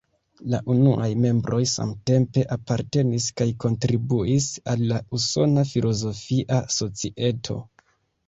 La unuaj membroj samtempe apartenis kaj kontribuis al la Usona Filozofia Societo.